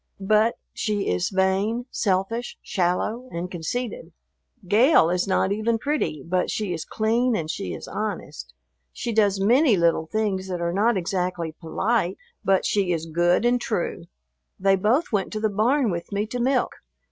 But she is vain, selfish, shallow, and conceited. Gale is not even pretty, but she is clean and she is honest. She does many little things that are not exactly polite, but she is good and true. They both went to the barn with me to milk.